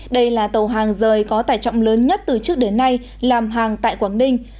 đây là tàu hàng rời có tải trọng lớn nhất từ trước đến nay làm hàng tại quảng ninh